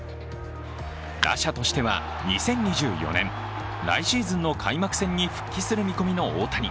打者としては２０２４年、来シーズンの開幕戦に復帰する見込みの大谷。